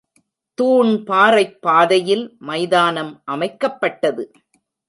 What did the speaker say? தூண்பாறைப் பாதையில் மைதானம் அமைக்கப்பட்டது.